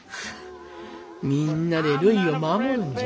みんなでるいを守るんじゃ。